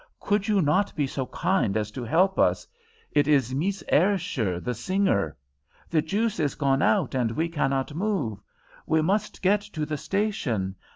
"Could you not be so kind as to help us? It is Mees Ayrshire, the singer. The juice is gone out and we cannot move. We must get to the station.